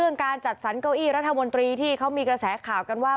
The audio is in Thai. การจัดสรรเก้าอี้รัฐมนตรีที่เขามีกระแสข่าวกันว่า